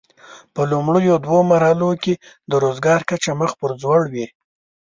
په لومړیو دوو مرحلو کې د روزګار کچه مخ پر ځوړ وي.